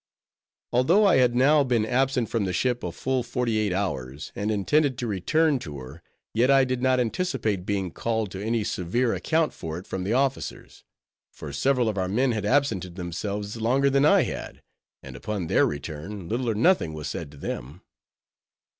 Although I had now been absent from the ship a full forty eight hours, and intended to return to her, yet I did not anticipate being called to any severe account for it from the officers; for several of our men had absented themselves longer than I had, and upon their return, little or nothing was said to them.